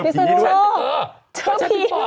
พี่สอนูโล